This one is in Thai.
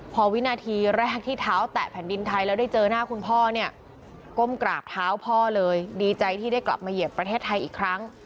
พอวินาทีแรกที่เท้าแตะแผ่นดินไทยแล้วได้เจอหน้าคุณพ่อเนี่ยก้มกราบเท้าพ่อเลยดีใจที่ได้กลับมาเหยียบประเทศไทยอีกครั้ง